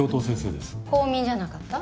公民じゃなかった？